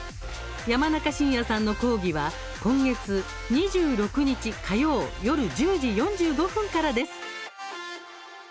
山中伸弥さんの講義は今月２６日火曜、夜１０時４５分からです。